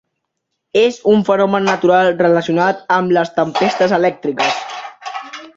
És un fenomen natural relacionat amb les tempestes elèctriques.